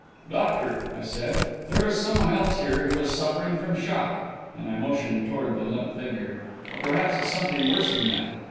"Doctor," I said, "there is someone else here who is suffering from shock," and I motioned toward the limp figure. "Or perhaps it's something worse than that."